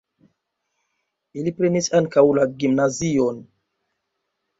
Ili prenis ankaŭ la gimnazion.